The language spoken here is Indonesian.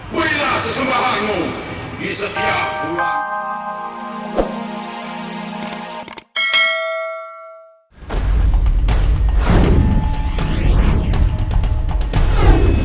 berilah sesembahamu di setiap buah